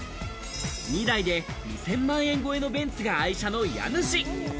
２台で２０００万円超えのベンツが愛車の家主。